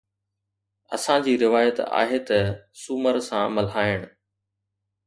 اسان جي روايت آهي ته سومر سان ملهائڻ.